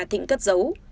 thịnh cất dấu